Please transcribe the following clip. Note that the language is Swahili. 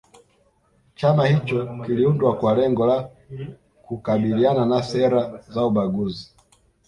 chama hicho kiliundwa kwa lengo la kukabiliana na sera za ubaguzi